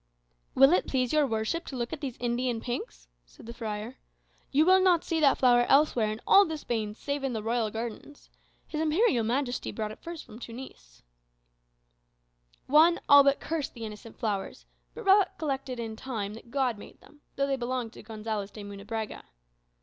"Will it please your worship to look at these Indian pinks?" said the friar. "You will not see that flower elsewhere in all the Spains, save in the royal gardens. His Imperial Majesty brought it first from Tunis." Juan all but cursed the innocent flowers; but recollected in time that God made them, though they belonged to Gonzales de Munebrãga.